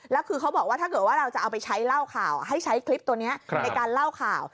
แล้วคือเขาบอกว่าถ้าเกิดว่าเราจะเอาไปใช้เล่าข่าวให้ใช้คลิปตัวนี้ในการเล่าข่าว